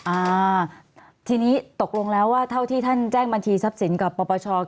อ่าทีนี้ตกลงแล้วว่าเท่าที่ท่านแจ้งบัญชีทรัพย์สินกับปปช